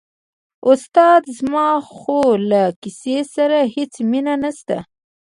استاده زما خو له کیسې سره هېڅ مینه نشته.